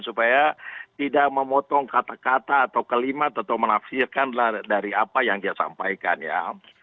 supaya tidak memotong kata kata atau kelima atau menafsirkan dari apa yang dia sampaikan ya